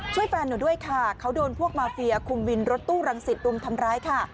ช่วยแฟนหนูด้วยค่ะเขาโดนพวกมาเฟียคุมวินรถตู้รังสิตรุมทำร้ายค่ะ